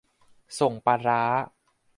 ส่งปลาร้า